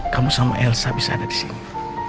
kamu sama elsa bisa ada disini